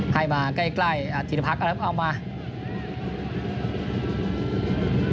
ให้มาใกล้อาจถีนภักร์ก็ลองแผ่น